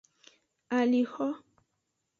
Alixo.